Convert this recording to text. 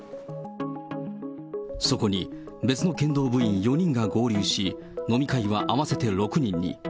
そこに別の剣道部員４人が合流し、飲み会は合わせて６人に。